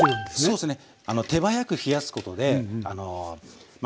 そうですね。